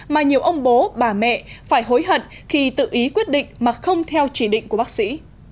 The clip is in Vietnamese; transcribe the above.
mà nhiều ông bố bà mẹ phải hối hận khi tự ý quyết định mà không theo chỉ định của bác sĩ